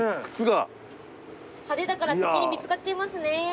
派手だから敵に見つかっちゃいますね。